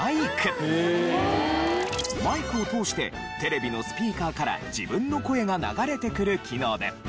マイクを通してテレビのスピーカーから自分の声が流れてくる機能で。